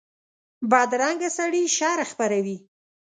بدرنګه سړي شر خپروي